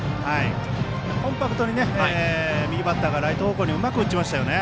コンパクトに右バッターがライト方向にうまく打ちましたね。